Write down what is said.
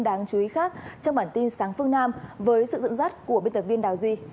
đáng chú ý khác trong bản tin sáng phương nam với sự dẫn dắt của biên tập viên đào duy